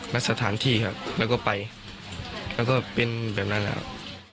นัดสถานที่ครับแล้วก็ไปแล้วก็เป็นแบบนั้นแล้ว